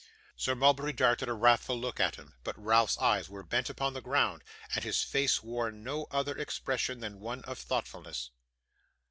Sir Mulberry darted a wrathful look at him, but Ralph's eyes were bent upon the ground, and his face wore no other expression than one of thoughtfulness.